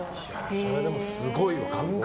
それでもすごいわ。